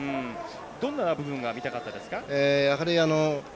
どんな部分が見たかったですか？